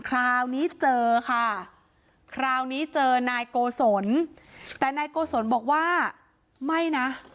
คราวนี้เจอค่ะคราวนี้เจอนายโกศลแต่นายโกศลบอกว่าไม่นะ